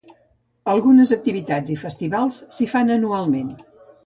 Algunes activitats i Festivals s'hi fan anualment.